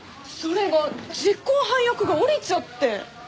それが実行犯役が降りちゃって。